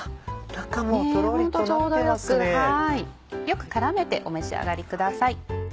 よく絡めてお召し上がりください。